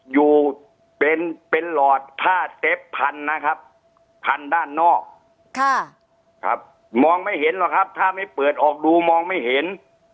อยู่เป็นหลอดผ้าเซ็ปพันนะครับพันด้านนอกมองไม่เห็นหรอกครับถ้าไม่เปิดออกดูมองไม่เห็น